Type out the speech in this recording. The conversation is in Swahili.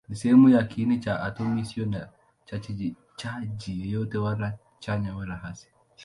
Ni sehemu ya kiini cha atomi isiyo na chaji yoyote, wala chanya wala hasi.